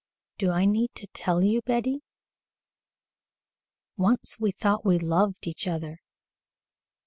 "Do I need to tell you, Betty? Once we thought we loved each other.